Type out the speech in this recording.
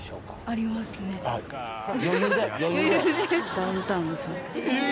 ダウンタウンさん。